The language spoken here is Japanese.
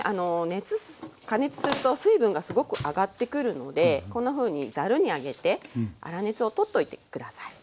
熱加熱すると水分がすごく上がってくるのでこんなふうにざるに上げて粗熱を取っといて下さい。